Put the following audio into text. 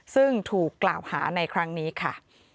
ซึ่งถูกกล่าวหาในครั้งนี้ค่ะ